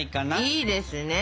いいですね！